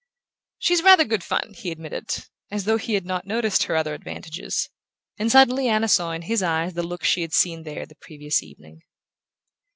"She's rather good fun," he admitted, as though he had not noticed her other advantages; and suddenly Anna saw in his eyes the look she had seen there the previous evening.